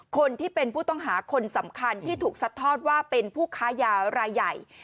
คนที่เป็นผู้ต้องหาคนสำคัญที่ถูกซัดทอดว่าเป็นผู้ค้ายารายใหญ่